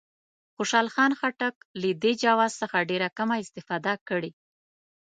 خوشحال خان خټک له دې جواز څخه ډېره کمه استفاده کړې.